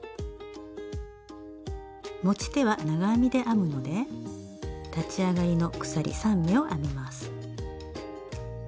持ち手は長編みで編むので立ち上がりの鎖３目を編みます。